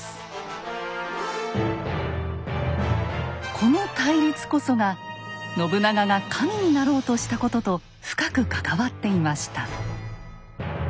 この対立こそが信長が神になろうとしたことと深く関わっていました。